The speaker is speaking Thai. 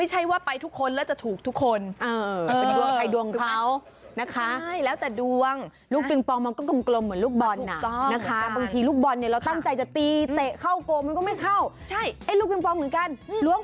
เหลือชัดน้ำตาทุกสีน้ำตาตรง